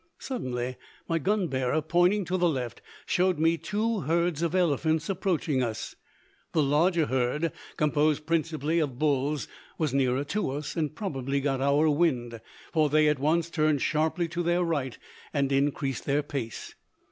Suddenly my gun bearer, pointing to the left, showed me two herds of elephants approaching us. The larger herd, composed principally of bulls, was nearer to us, and probably got our wind; for they at once turned sharply to their right and increased their pace.